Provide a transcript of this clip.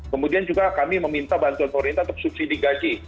kemudian juga kami meminta bantuan pemerintah untuk subsidi gaji